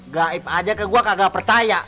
gaib aja ke gue kagak percaya